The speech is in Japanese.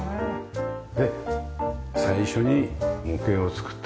で最初に模型を作ってもらって。